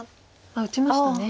打ちましたね。